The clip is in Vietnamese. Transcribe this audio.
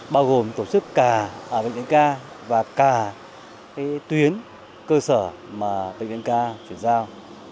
bao gồm tổ chức cả bệnh viện ca và cả tuyến cơ sở mà bệnh viện ca chuyển giao